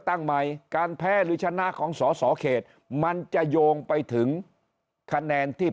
ตั้งใหม่การแพ้หรือชนะของสอสอเขตมันจะโยงไปถึงคะแนนที่